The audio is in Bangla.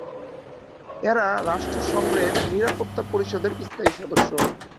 এরা রাষ্ট্রসংঘের নিরাপত্তা পরিষদের স্থায়ী সদস্য।